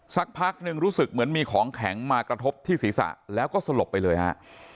สักพักหนึ่งรู้สึกเหมือนมีของแข็งมากระทบที่ศีรษะแล้วก็สลบไปเลยฮะ